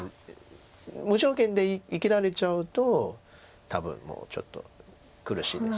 無条件で生きられちゃうと多分もうちょっと苦しいです。